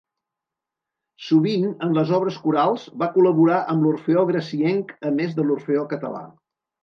Sovint, en les obres corals, va col·laborar amb l'Orfeó Gracienc, a més de l'Orfeó Català.